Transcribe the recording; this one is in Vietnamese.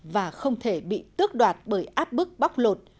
và không thể bị tước đoạt bởi áp bức bóc lột